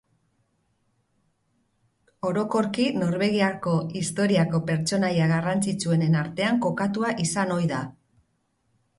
Orokorki Norvegiako historiako pertsonaia garrantzitsuenen artean kokatua izan ohi da.